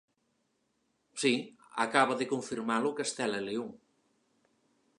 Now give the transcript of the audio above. Si, acaba de confirmalo Castela e León.